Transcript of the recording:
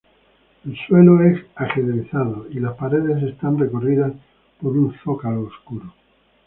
El suelo es ajedrezado y las paredes están recorridas por un zócalo oscuro.